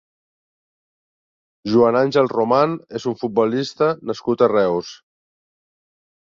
Joan Àngel Román és un futbolista nascut a Reus.